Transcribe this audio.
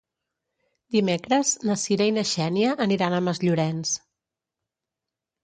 Dimecres na Cira i na Xènia aniran a Masllorenç.